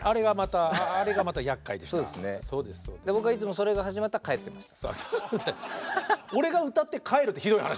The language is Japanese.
僕はいつもそれが始まったら帰ってました。